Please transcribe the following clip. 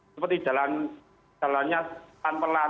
seperti jalannya tanpa lahan